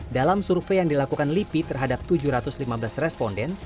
dalam survei yang dilakukan lipi terhadap tujuh ratus lima belas responden